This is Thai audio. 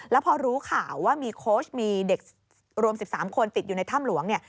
แล้วพอรู้ข่าวว่ามีโค้ชมีเด็กรวม๑๓คนติดอยู่ในถ้ำหลวงเนี่ย